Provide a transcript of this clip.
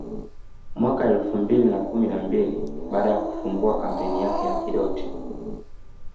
Mwaka elfu mbili kumi na mbili baada ya kufungua kampuni yake ya Kidoti